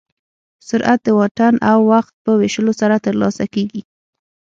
سرعت د واټن او وخت په ویشلو سره ترلاسه کېږي.